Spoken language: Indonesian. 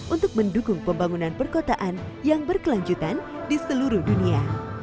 untuk mendukung pembangunan perkotaan yang berkelanjutan di seluruh dunia